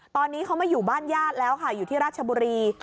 ตอนนี้เขามาอยู่บ้านญาติแล้วค่ะอยู่ที่ราชบุรี